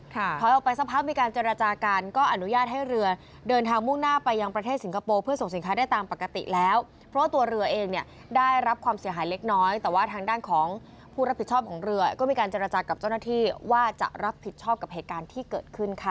ถอยออกไปสักพักมีการเจรจากันก็อนุญาตให้เรือเดินทางมุ่งหน้าไปยังประเทศสิงคโปร์เพื่อส่งสินค้าได้ตามปกติแล้วเพราะว่าตัวเรือเองเนี่ยได้รับความเสียหายเล็กน้อยแต่ว่าทางด้านของผู้รับผิดชอบของเรือก็มีการเจรจากับเจ้าหน้าที่ว่าจะรับผิดชอบกับเหตุการณ์ที่เกิดขึ้นค่ะ